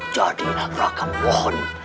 jadilah raka mohon